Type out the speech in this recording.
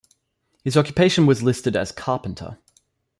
His occupation was listed as carpenter.